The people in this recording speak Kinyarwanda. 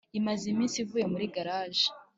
imaze iminsi ivuye muri garaji.